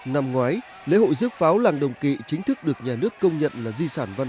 năm ngoái lễ hội rước pháo làng đồng kỵ chính thức được nhà nước công nhận là di sản văn